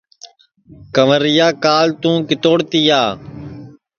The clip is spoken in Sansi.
کنٚورِیا کال تُوں کِتوڑ تِیا